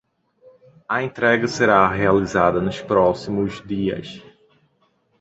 A entrega será realizada nos próximos dias